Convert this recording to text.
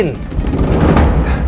jangan ganggu andin